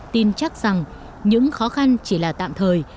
tin chắc rằng những khó khăn chỉ là tạm thời